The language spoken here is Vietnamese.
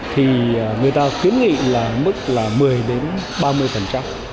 thì người ta khuyến nghị là mức là một mươi đến ba mươi